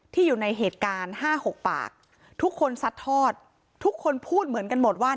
อยู่ในเหตุการณ์๕๖ปากทุกคนซัดทอดทุกคนพูดเหมือนกันหมดว่า